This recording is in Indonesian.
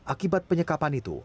akibat penyekapan itu